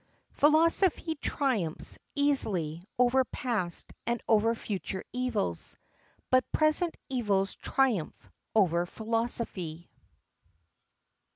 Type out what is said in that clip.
"Philosophy triumphs easily over past and over future evils, but present evils triumph over philosophy."